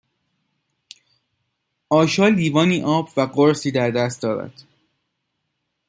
آشا لیوانی آب و قرصی در دست دارد